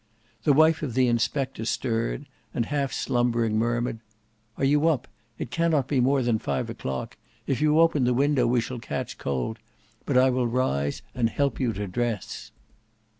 The wife of the inspector stirred, and half slumbering, murmured, "Are you up? It cannot be more than five o'clock. If you open the window we shall catch cold; but I will rise and help you to dress."